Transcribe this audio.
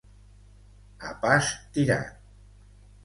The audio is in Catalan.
A pas tirat.